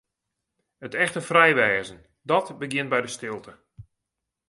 It echte frij wêzen, dat begjint by de stilte.